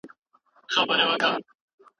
موږ باید علمي اصول په پام کي ونیسو.